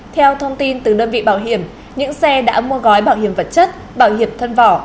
theo thông tin từ đơn vị bảo hiểm những xe đã mua gói bảo hiểm vật chất bảo hiểm thân vỏ